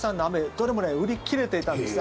どれも売り切れていたんですよ。